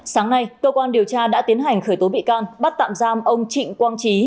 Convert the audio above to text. sáng nay cơ quan điều tra đã tiến hành khởi tố bị can bắt tạm giam ông trịnh quang trí